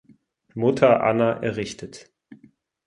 Mutter Anna errichtet.